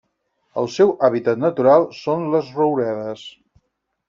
El seu hàbitat natural són les rouredes.